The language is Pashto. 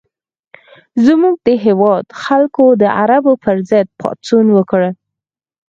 زموږ د هېواد خلکو د عربو پر ضد پاڅون وکړ.